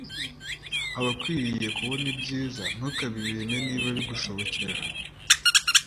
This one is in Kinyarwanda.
Abakwiriye kubona ibyiza ntukabibime Niba bigushobokera